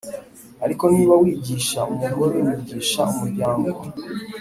ariko niba wigisha umugore wigisha umuryango